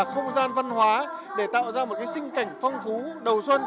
không gian văn hóa để tạo ra một sinh cảnh phong phú đầu xuân